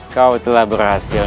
kau telah berhasil